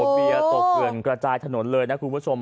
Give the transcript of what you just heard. รถเกลือกระจายทนนเลยนะครูผู้ชม